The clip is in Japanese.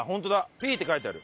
「Ｐ」って書いてある。